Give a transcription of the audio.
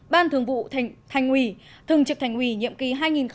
ban thường vụ thành ủy thường trực thành ủy nhiệm kỳ hai nghìn một mươi năm hai nghìn hai mươi